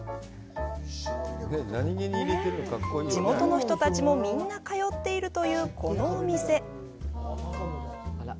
地元の人たちもみんな通っているというこのお店。